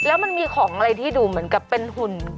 แล้วมันมีของอะไรที่ดูเหมือนกับเป็นหุ่น